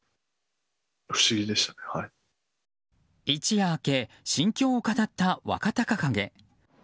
一夜明け心境を語った若隆景。